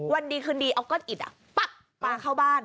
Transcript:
วันดีคืนดีเอาก้อนอิดปั๊กปลาเข้าบ้าน